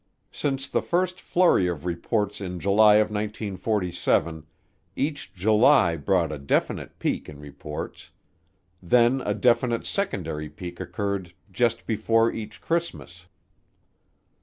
Since the first flurry of reports in July of 1947, each July brought a definite peak in reports; then a definite secondary peak occurred just before each Christmas.